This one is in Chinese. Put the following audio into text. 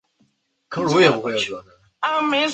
近几年真的都是吹泡泡元年